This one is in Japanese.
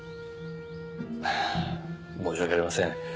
ああ申し訳ありません。